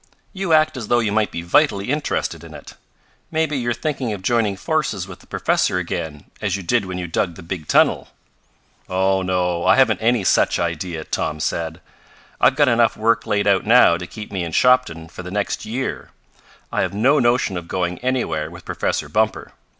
"You act as though you might be vitally interested in it. Maybe you're thinking of joining forces with the professor again, as you did when you dug the big tunnel." "Oh, no. I haven't any such idea," Tom said. "I've got enough work laid out now to keep me in Shopton for the next year. I have no notion of going anywhere with Professor Bumper.